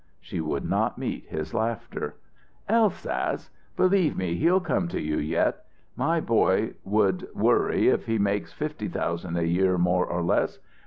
She would not meet his laughter. "'Elsass!' Believe me, he'll come to you yet. My boy should worry if he makes fifty thousand a year more or less.